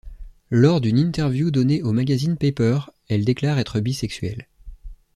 Lors d'une interview donnée au magazine Paper, elle déclare être bisexuel.